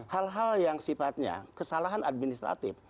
hal hal yang sifatnya kesalahan administratif